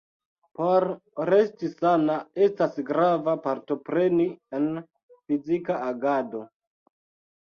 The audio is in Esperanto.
Por resti sana estas grava partopreni en fizika agado.